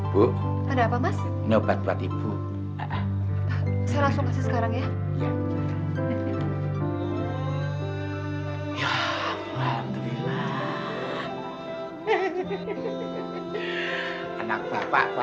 buat sahur juga ya bu